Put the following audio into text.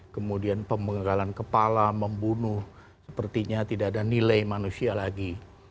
kemudian pembegalan kepala membunuh sepertinya tidak ada nilai manusia lagi